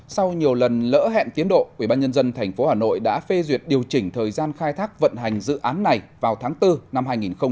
sau nhiều lần lỡ hẹn tiến độ ubnd tp hà nội đã phê duyệt điều chỉnh thời gian khai thác vận hành dự án này vào tháng bốn năm hai nghìn hai mươi